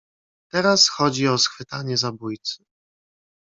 "Teraz chodzi o schwytanie zabójcy."